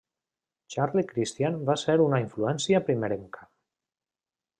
Charlie Christian va ser una influència primerenca.